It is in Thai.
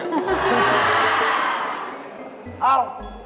เอ้า